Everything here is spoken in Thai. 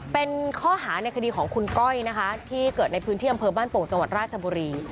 เป็นข้อหาในคดีของคุณก้อยนะคะที่เกิดในพื้นที่อำเภอบ้านโป่งจังหวัดราชบุรี